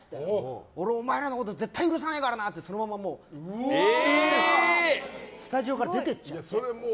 俺、お前らのこと絶対許さねえからな！ってそのままスタジオから出てっちゃって。